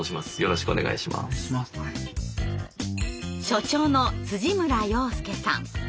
所長の村洋介さん。